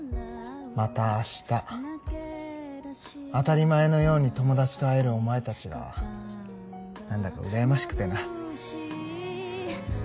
また明日当たり前のように友達と会えるお前たちが何だか羨ましくてな。